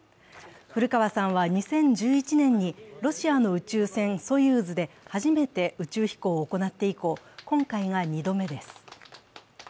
古川さんは２０１１年にロシアの宇宙船「ソユーズ」で初めて宇宙飛行を行って以降今回が２度目です。